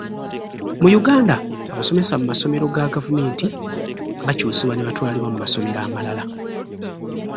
Mu Uganda abasomesa mu masomero ga gavumenti bakyusibwa nebatwalibwa mu masomero amalala.